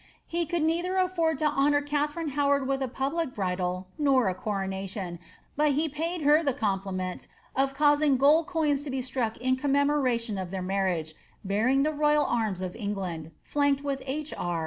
He could neither afford to honour Katharine Howard with a public bridal nor a coronation, but bt paid her the compliment of causing gold coins to be struck in comme moration of their marriage, bearing the royal arms of England, flanked with H. R.